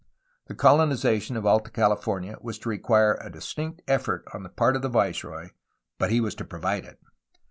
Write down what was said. The colonization of Alta California was to require a distinct effort upon the part of the viceroy, — but he was to provide it!